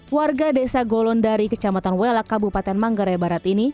warga desa golondari kecamatan welak kabupaten manggarai barat ini